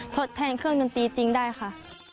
ทดแทนเครื่องดนตรีจริงได้ค่ะ